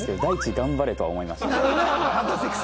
頑張れとは思います。